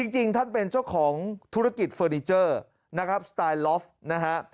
จริงท่านเป็นเจ้าของธุรกิจเฟอร์นิเจอร์นะครับสไตล์ลอฟนะฮะ